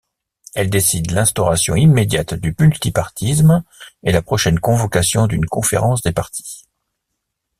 Elle décide l'instauration immédiate du multipartisme et la prochaine convocation d'une conférence des partis.